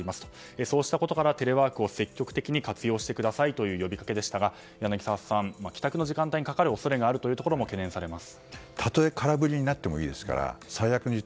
そうしたことから、テレワークを積極的に活用してくださいという呼びかけでしたが柳澤さん、帰宅の時間にかかる恐れがあるということも懸念されます。